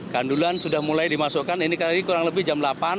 gandulan sudah mulai dimasukkan ini kali ini kurang lebih jam delapan